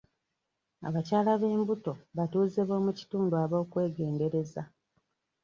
Abakyala b'embuto batuuze b'omukitundu ab'okwegendereza.